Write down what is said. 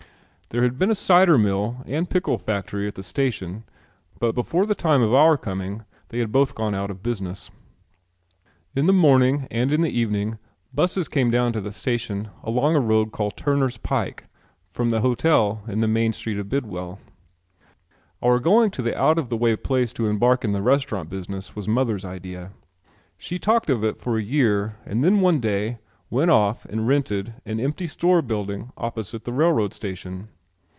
There had been a cider mill and pickle factory at the station, but before the time of our coming they had both gone out of business. In the morning and in the evening busses came down to the station along a road called Turner's Pike from the hotel on the main street of Bidwell. Our going to the out of the way place to embark in the restaurant business was mother's idea. She talked of it for a year and then one day went off and rented an empty store building opposite the railroad station.